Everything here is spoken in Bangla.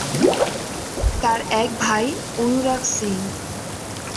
তার এক ভাই অনুরাগ সিং।